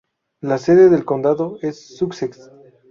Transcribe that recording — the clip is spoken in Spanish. La sede del condado es Sussex.